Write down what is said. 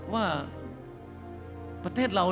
ว่าประเทศเรา